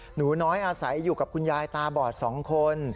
หนูน้อยอาศัยอยู่กับคุณยายตาบอด๒คน